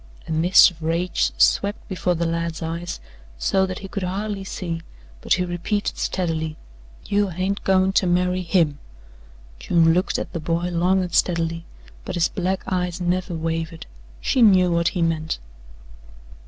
A mist of rage swept before the lad's eyes so that he could hardly see, but he repeated steadily: "You hain't goin' to marry HIM." June looked at the boy long and steadily, but his black eyes never wavered she knew what he meant.